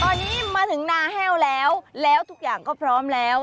ตอนนี้มาถึงนาแห้วแล้วแล้วทุกอย่างก็พร้อมแล้ว